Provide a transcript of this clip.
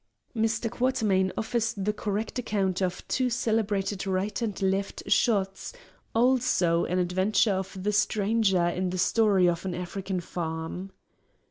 Quatermain offers the correct account of two celebrated right and left shots, also an adventure of the stranger in the Story of an African Farm.